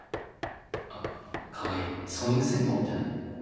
あっ川合ソーイングセット持ってない？